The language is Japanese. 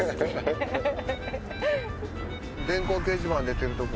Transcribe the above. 電光掲示板出てるとこ。